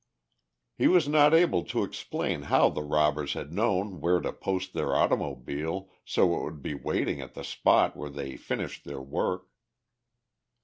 He was not able to explain how the robbers had known where to post their automobile so it would be waiting at the spot where they finished their work.